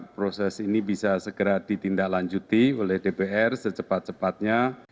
proses ini bisa segera ditindaklanjuti oleh dpr secepat cepatnya